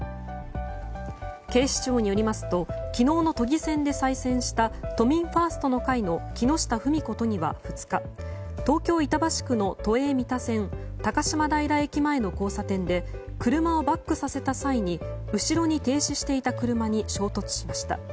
警視庁によりますと昨日の都議選で再選した都民ファーストの会の木下ふみこ都議は２日東京・板橋区の都営三田線高島平駅前の交差点で車をバックさせた際に後ろに停止していた車に衝突しました。